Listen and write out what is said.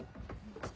ちょっと！